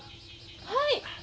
はい。